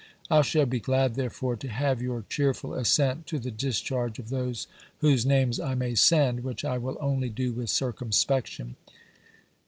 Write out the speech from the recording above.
I shall be glad, there fore, to have your cheerful assent to the discharge of those whose names I may send, which I wiU only do with circumspection."